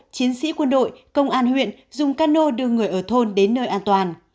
chiến sĩ quân đội công an huyện dùng cano đưa người ở thôn đến nơi an toàn